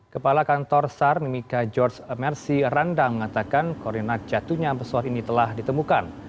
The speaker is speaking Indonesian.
kepala kantor sar mimika george mercy randang mengatakan koordinat jatuhnya pesawat ini telah ditemukan